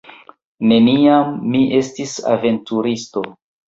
Neniam mi estis aventuristo.